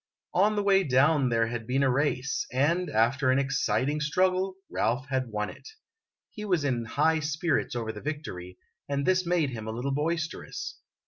On the way down there had been a race ; and, after an exciting LITTLE PLUNKETT S 'COUSIN 157 struggle, Ralph had won it. He was in high spirits over the victory, and this made him a little boisterous.